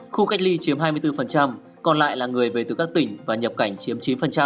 khu cách ly chiếm hai mươi bốn còn lại là người về từ các tỉnh và nhập cảnh chiếm chín